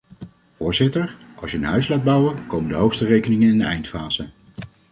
Voorzitter, als je een huis laat bouwen, komen de hoogste rekeningen in de eindfase.